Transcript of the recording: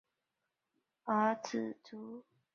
儿子朱健杙被册封为世孙。